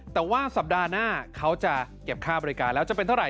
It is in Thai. แต่ว่าสัปดาห์หน้าเขาจะเก็บค่าบริการแล้วจะเป็นเท่าไห